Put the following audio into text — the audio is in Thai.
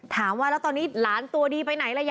ถามว่าแล้วตอนนี้หลานตัวดีไปไหนล่ะ